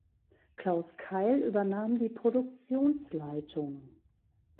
Klaus Keil übernahm die Produktionsleitung.